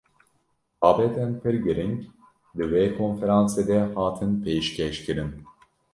Babetên pir giring di wê konferansê de hatin pêşkêşkirin.